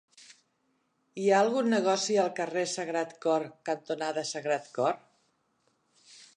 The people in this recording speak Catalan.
Hi ha algun negoci al carrer Sagrat Cor cantonada Sagrat Cor?